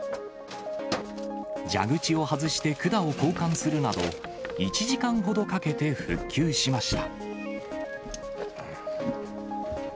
蛇口を外して管を交換するなど、１時間ほどかけて復旧しました。